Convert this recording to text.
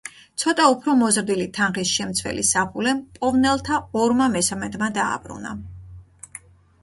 ცოტა უფრო მოზრდილი თანხის შემცველი საფულე მპოვნელთა ორმა მესამედმა დააბრუნა.